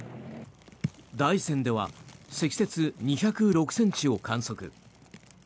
大山では積雪２０６ｃｍを観測。